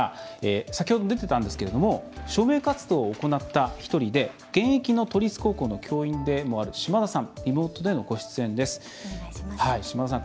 先ほど出ていたんですけども署名活動を行った１人で現役の都立高校の教員でもある島田さん。